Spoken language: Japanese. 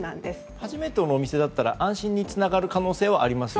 初めてのお店だったら安心につながる可能性はありますよね。